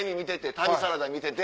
『旅サラダ』見てて。